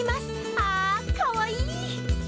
あー、かわいい！